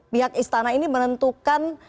pihak istana ini menentukan